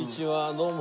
どうも。